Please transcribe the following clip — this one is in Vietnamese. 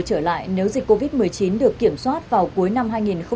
phục hồi trở lại nếu dịch covid một mươi chín được kiểm soát vào cuối năm hai nghìn hai mươi một